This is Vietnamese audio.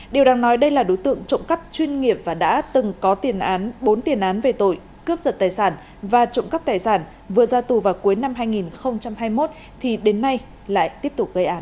điều đang nói đây là đối tượng trộm cắp chuyên nghiệp và đã từng có tiền án bốn tiền án về tội cướp giật tài sản và trộm cắp tài sản vừa ra tù vào cuối năm hai nghìn hai mươi một thì đến nay lại tiếp tục gây án